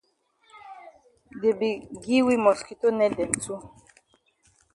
Dey be gi we mosquito net dem too.